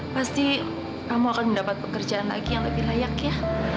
pasti kamu akan mendapat pekerjaan lagi yang lebih layak ya